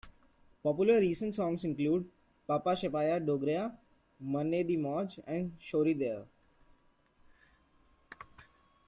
Popular recent songs include "Pala Shpaiya Dogarya", "Manney di Mauj" and "Shhori Deya".